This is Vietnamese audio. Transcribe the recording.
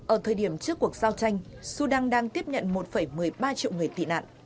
ở thời điểm trước cuộc giao tranh sudan đang tiếp nhận một một mươi ba triệu người tị nạn